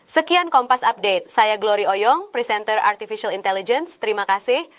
sekian kompas update saya glory oyong presenter artificial intelligence terima kasih